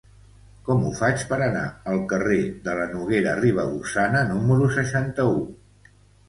Com ho faig per anar al carrer de la Noguera Ribagorçana número seixanta-u?